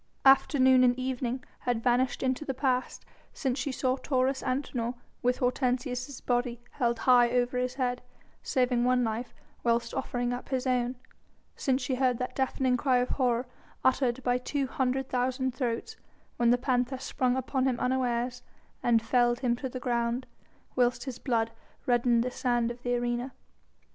Afternoon and evening had vanished into the past since she saw Taurus Antinor, with Hortensius' body held high over his head, saving one life whilst offering up his own, since she heard that deafening cry of horror uttered by two hundred thousand throats when the panther sprung upon him unawares and felled him to the ground, whilst his blood reddened the sand of the arena.